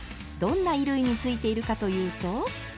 どんな衣類についているかというと。